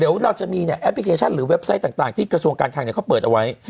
เดี๋ยวเราจะมีเนี่ยแอปพลิเคชันหรือเว็บไซต์ต่างที่กระทรวงการคลังเขาเปิดเอาไว้